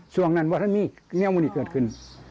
ส่วนทั้นก็ว่าวันนี้เกิดขึ้น